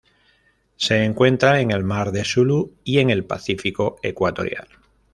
Se encuentra en el Mar de Sulu y en el Pacífico ecuatorial.